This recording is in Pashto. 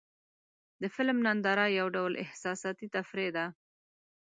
د فلم ننداره یو ډول احساساتي تفریح ده.